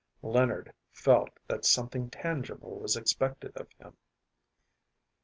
Leonard felt that something tangible was expected of him.